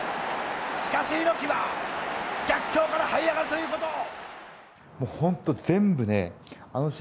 しかし猪木は逆境からはい上がるということを。